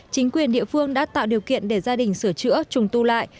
chính quyền địa phương đã tạo điều kiện để gia đình sửa chữa trùng tu lại